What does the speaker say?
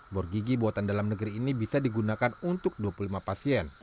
bor gigi buatan dalam negeri ini bisa digunakan untuk dua puluh lima pasien